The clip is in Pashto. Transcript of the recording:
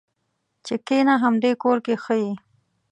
چې کېنه همدې کور کې ښه یې.